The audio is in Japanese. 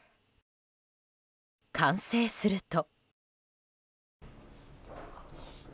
完成すると。